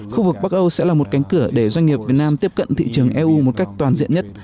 khu vực bắc âu sẽ là một cánh cửa để doanh nghiệp việt nam tiếp cận thị trường eu một cách toàn diện nhất